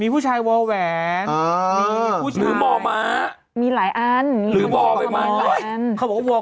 ผู้ชายว่าแหวน